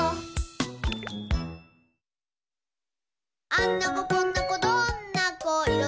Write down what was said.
「あんな子こんな子どんな子いろ